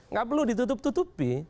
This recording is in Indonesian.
nggak perlu ditutup tutupi